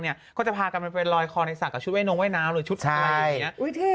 เขาก็จะพากันไปรอยคอในศักดิ์ชุดเว่ยนงเว่ยน้ำหรือชุดเว่ยอย่างนี้